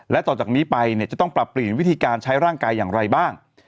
และต่อจากนี้ไปเนี่ยจะต้องปรับเปลี่ยนวิธีการใช้ร่างกายอย่างไรบ้าง